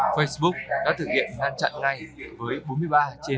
facebook đã thực hiện ngăn chặn ngay với bốn mươi ba trên bốn mươi